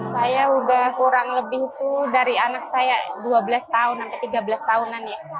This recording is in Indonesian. saya udah kurang lebih itu dari anak saya dua belas tahun sampai tiga belas tahunan ya